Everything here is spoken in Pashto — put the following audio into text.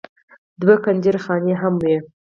دوه کنجرې خانې هم وې.